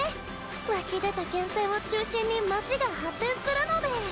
湧き出た源泉を中心に町が発展スルノデ。